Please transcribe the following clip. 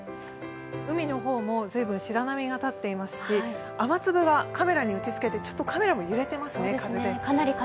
海の方も随分白波が立っていますし、雨粒がカメラに打ちつけてちょっとカメラも風で揺れていますね。